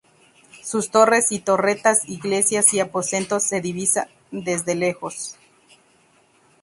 Sus torres y torretas, iglesias y aposentos se divisan desde lejos.